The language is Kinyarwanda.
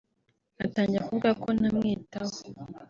Atangira kuvuga ko ntamwitaho